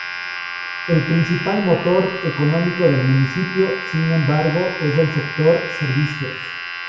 El principal motor económico del municipio, sin embargo, es el sector servicios.